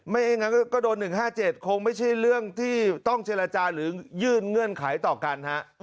อย่างนั้นก็โดน๑๕๗คงไม่ใช่เรื่องที่ต้องเจรจาหรือยื่นเงื่อนไขต่อกันฮะ